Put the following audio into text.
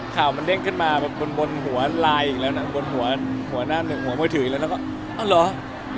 ข่าวมันเด้งขึ้นมาบนหัวไลน์อีกแล้วนะบนหัวหน้าหนึ่งหัวมือถืออีกแล้ว